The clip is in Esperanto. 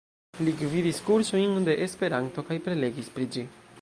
Li gvidis kursojn de Esperanto kaj prelegis pri ĝi.